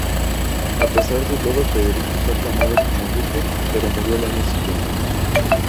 A pesar de todo, Federico fue aclamado como duque, pero murió al año siguiente.